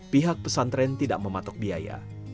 pihak pesantren tidak mematok biaya